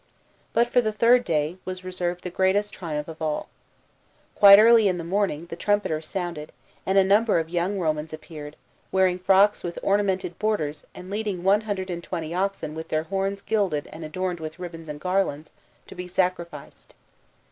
But for the third day, was reserved the greatest triumph of all. Quite early in the morning, the trumpeters sounded, and a number of young Romans appeared, wearing frocks with ornamented borders and leading one hundred and twejity oxen with their horns gilded and adorned Vith ribbons and garlands, to be sacrificed.